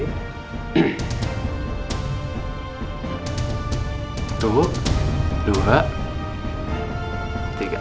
satu dua tiga